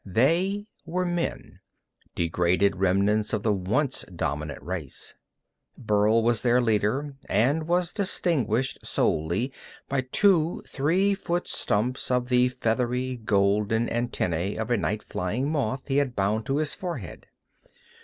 They were men, degraded remnants of the once dominant race. Burl was their leader, and was distinguished solely by two three foot stumps of the feathery, golden antennæ of a night flying moth he had bound to his forehead.